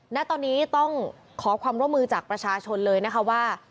ณตอนนี้ต้องขอความร่วมมือจากประชาชนเลยนะคะว่า